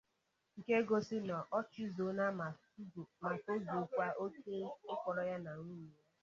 nke gosiri na o chizuona ma tozukwa oke ịkpọrọ ya na nwunye